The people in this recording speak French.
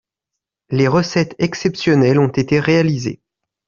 Les recettes exceptionnelles ont été réalisées